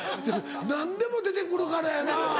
何でも出てくるからやな。